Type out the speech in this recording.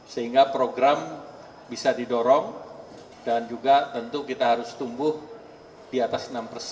sehingga program bisa didorong dan juga tentu kita harus tumbuh di atas enam persen